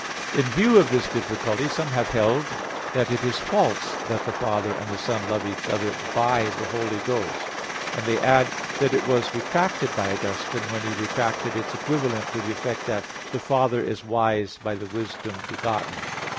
In view of this difficulty some have held that it is false, that "the Father and the Son love each other by the Holy Ghost"; and they add that it was retracted by Augustine when he retracted its equivalent to the effect that "the Father is wise by the Wisdom begotten."